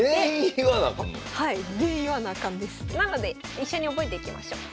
なので一緒に覚えていきましょう。